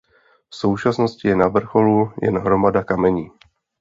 V současnosti je na vrcholu jen hromada kamení.